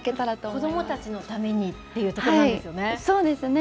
子どもたちのためにっていうところなんですよね。